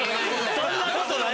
そんなことない！